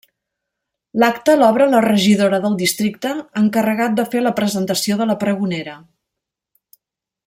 L'acte l'obre la regidora del districte, encarregat de fer la presentació de la pregonera.